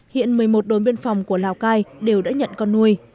hiện một mươi một đồn biên phòng của lào cai đều đã nhận con nuôi